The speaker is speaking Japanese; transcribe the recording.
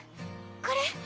これ。